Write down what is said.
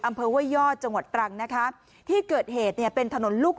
ห้วยยอดจังหวัดตรังนะคะที่เกิดเหตุเนี่ยเป็นถนนลูก